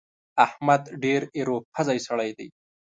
احمد ډېر ايرو پزی سړی دی.